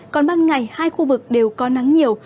còn ban ngày hai khu vực đều có nắng nhiều